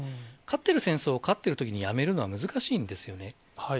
勝ってる戦争を勝ってるときにやめるのは難しいんですよね。